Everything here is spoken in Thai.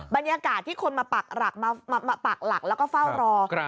บรรยากาศที่คนมาปักหลักแล้วก็เฝ้ารอ